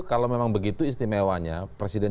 kalau memang begitu istimewanya presiden